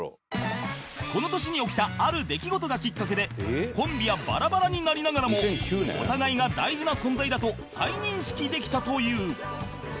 この年に起きたある出来事がきっかけでコンビはバラバラになりながらもお互いが大事な存在だと再認識できたという